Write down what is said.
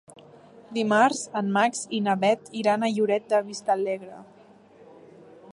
Dimarts en Max i na Bet iran a Lloret de Vistalegre.